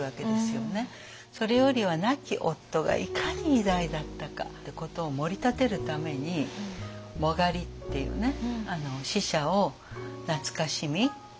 それよりは亡き夫がいかに偉大だったかってことをもり立てるために殯っていうね死者を懐かしみ魂の復活を祈る。